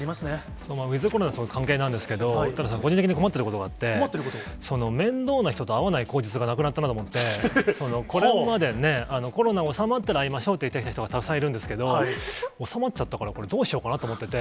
そのウィズコロナとの関係なんですけど、ただ、個人的に困っていることがあって、面倒な人と会わない口実がなくなったなと思って、これまでね、コロナ収まったら会いましょうと言ってきた人がたくさんいるんですけど、収まっちゃったから、これ、どうしようかなと思ってて。